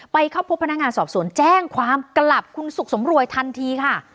ไปเข้าพบพนักงานสอบสวนแจ้งความกลับคุณสุขสมรวยทันทีค่ะ